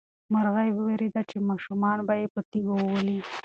مرغۍ وېرېده چې ماشومان به یې په تیږو وولي.